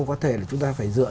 có thể là chúng ta phải dựa